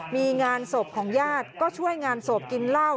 มีงานศพของญาติก็ช่วยงานศพกินเหล้า